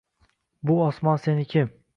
Bu osmon – seniki!